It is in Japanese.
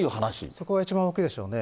そこが一番大きいでしょうね。